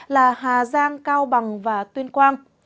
là hà giang cao bằng và tuyên quang